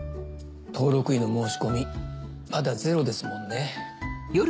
登録医の申し込みまだゼロですもんね。